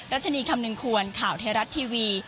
รัชนีคำนึงควรข่าวไทยรัฐทีวี